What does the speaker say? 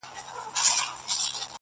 پاچا و ايستل له ځانه لباسونه !.